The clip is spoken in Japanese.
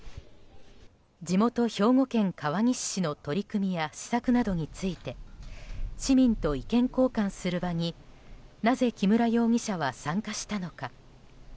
地元・兵庫県川西市の取り組みや施策などについて市民と意見交換する場になぜ木村容疑者は参加したのか。